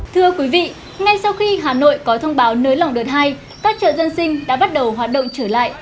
thưa quý vị ngay sau khi hà nội có thông báo nới lỏng đợt hai các chợ dân sinh đã bắt đầu hoạt động trở lại